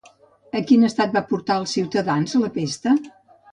A quin estat va portar als ciutadans la pesta?